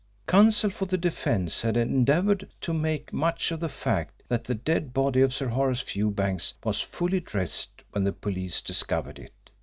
Counsel for the defence had endeavoured to make much of the fact that the dead body of Sir Horace Fewbanks was fully dressed when the police discovered it.